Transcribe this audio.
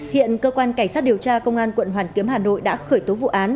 hiện cơ quan cảnh sát điều tra công an quận hoàn kiếm hà nội đã khởi tố vụ án